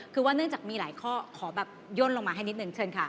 คือว่าเนื่องจากมีหลายข้อขอแบบย่นลงมาให้นิดนึงเชิญค่ะ